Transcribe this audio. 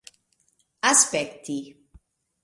aspekti